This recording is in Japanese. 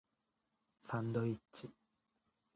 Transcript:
サンドイッチ